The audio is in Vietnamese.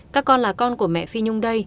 các con là con của mẹ phi nhung